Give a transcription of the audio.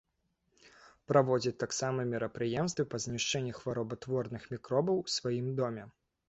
Праводзяць таксама мерапрыемствы па знішчэнні хваробатворных мікробаў у сваім доме.